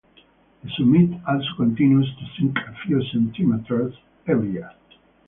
The summit also continues to sink a few centimetres every year.